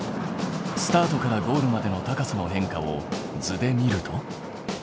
スタートからゴールまでの高さの変化を図で見ると。